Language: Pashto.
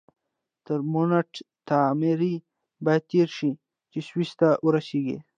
تر مونټ تاماري باید تېر شئ چې سویس ته ورسیږئ.